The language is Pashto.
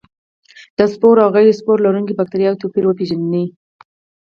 د سپور او غیر سپور لرونکو بکټریا توپیر وپیژني.